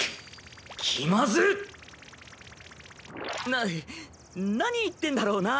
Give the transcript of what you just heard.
な何言ってんだろうな。